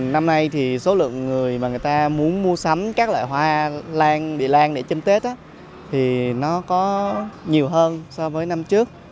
năm nay thì số lượng người mà người ta muốn mua sắm các loại hoa lan bị lan để chân tết thì nó có nhiều hơn so với năm trước